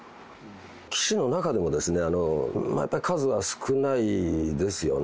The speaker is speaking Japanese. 棋士の中でも、また数は少ないですよね。